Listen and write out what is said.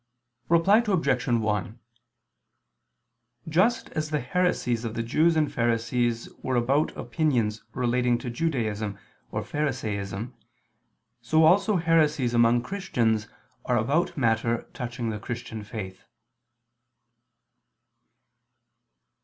Reply Obj. 1: Just as the heresies of the Jews and Pharisees were about opinions relating to Judaism or Pharisaism, so also heresies among Christians are about matter touching the Christian faith.